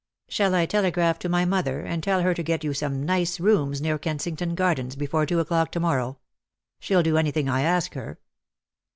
Shall I telegraph to my mother, and tell her to get you some nice rooms near Kensington Gardens before two o'clock to morrow ? She'll do anything I ask her."